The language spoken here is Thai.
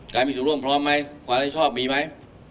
การมีสุดร่วมพร้อมมั้ยความรักชอบมีมั้ย